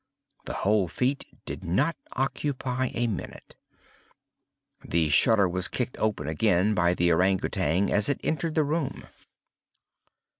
The whole feat did not occupy a minute. The shutter was kicked open again by the Ourang Outang as it entered the room.